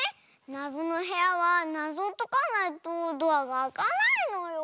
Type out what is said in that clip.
なぞのへやはなぞをとかないとドアがあかないのよ。